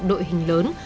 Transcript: đội hình lớn